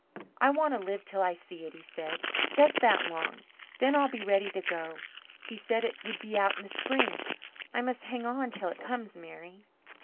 "I want to live till I see it," he said, "just that long then I'll be ready to go. He said it would be out in the spring I must hang on till it comes, Mary."